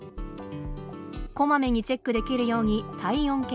こまめにチェックできるように体温計。